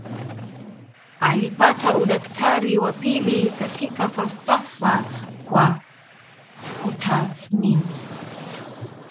Alipata udaktari wa pili katika falsafa kwa kutathmini